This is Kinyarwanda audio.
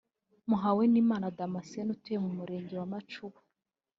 Muhawenimana Damascène utuye mu Murenge wa Macuba